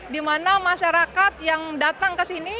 di mana masyarakat yang datang ke sini